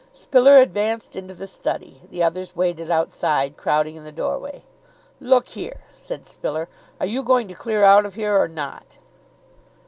Spiller advanced into the study; the others waited outside, crowding in the doorway. "Look here," said Spiller, "are you going to clear out of here or not?"